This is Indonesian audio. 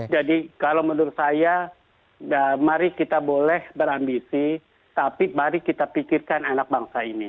jadi kalau menurut saya mari kita boleh berambisi tapi mari kita pikirkan anak bangsa ini